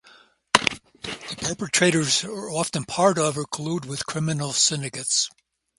The perpetrators are often part of or collude with criminal syndicates.